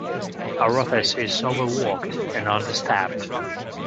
Our office is overworked and understaffed.